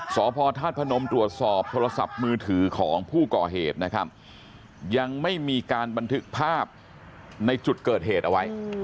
สพธาตุพนมตรวจสอบโทรศัพท์มือถือของผู้ก่อเหตุนะครับยังไม่มีการบันทึกภาพในจุดเกิดเหตุเอาไว้